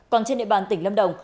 còn trên địa bàn tỉnh lâm đồng